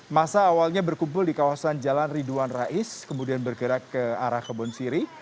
masa awalnya berkumpul di kawasan jalan ridwan rais kemudian bergerak ke arah kebon siri